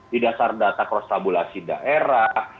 di dasar data cross tabulasi daerah